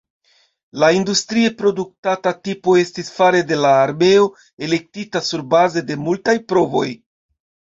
La industrie produktata tipo estis fare de la armeo elektita surbaze de multaj provoj.